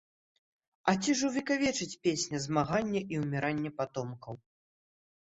А ці ж увекавечыць песня змаганне і ўміранне патомкаў?